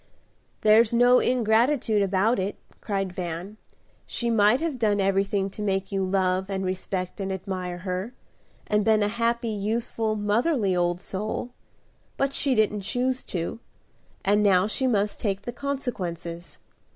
"There's no ingratitude about it," cried Van. "She might have done everything to make you love, and respect, and admire her, and been a happy, useful, motherly, old soul; but she didn't choose to, and now she must take the consequences.